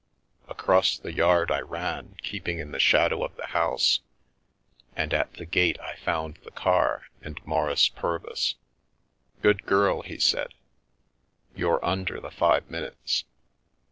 Across the yard I ran, keeping in the shadow of the house, and at the gate I found the car and Maurice Purvis. " Good girl," he said, " you're under the five minutes."